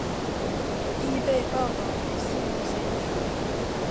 亦被报导为吸毒嫌疑犯。